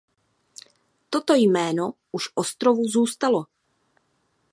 Toto jméno už ostrovu zůstalo.